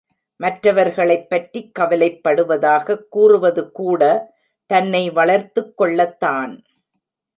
மற்றவர்களைப் பற்றிக். கவலைப்படுவதாகக் கூறுவதுகூட தன்னை வளர்த்துக் கொள்ளத்தான்!